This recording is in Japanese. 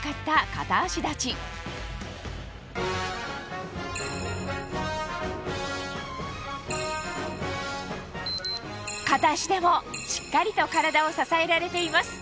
片足立ち片足でもしっかりと体を支えられています